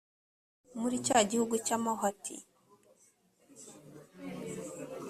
muri cya gihuru cy amahwa ati